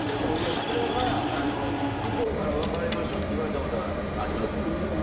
向こうから別れましょって言われたことはありますよもちろん。